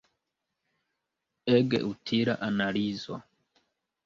Ege utila analizo!